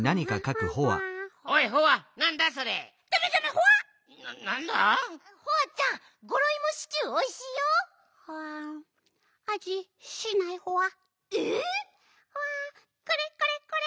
ホワこれこれこれ！